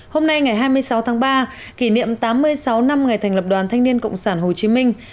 hôm nay ngày hai mươi sáu tháng ba kỷ niệm tám mươi sáu năm ngày thành lập đoàn thanh niên cộng sản hồ chí minh